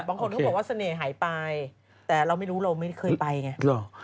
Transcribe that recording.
บางคนเขาบอกว่าเสน่ห์หายไปแต่เราไม่รู้เราไม่เคยไปไง